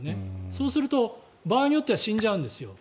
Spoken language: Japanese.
そうすると場合によっては死んじゃうんですよ。